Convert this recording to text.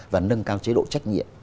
và nâng cao chế độ trách nhiệm